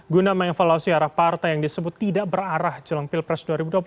guna mengevaluasi arah partai yang disebut tidak berarah jelang pilpres dua ribu dua puluh